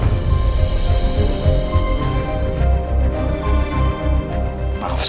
saya tidak bisa lagi memanjakan percakapan ini